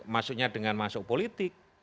maksudnya dengan masuk politik